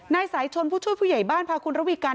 นายสายชนผู้ช่วยผู้ใหญ่บ้านพาคุณระวีการ